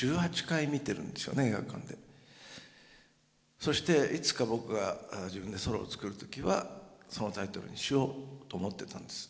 そしていつか僕が自分でソロを作る時はそのタイトルにしようと思ってたんです。